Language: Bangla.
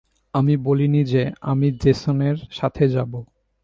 আমি বলিনি যে, আমি জেসনের সাথে যাবো।